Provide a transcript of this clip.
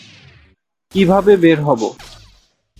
কীভাবে বের হবো?